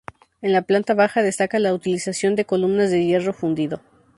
En la planta baja destaca la utilización de columnas de hierro fundido.